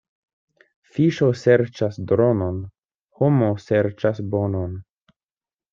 Fiŝo serĉas dronon, homo serĉas bonon.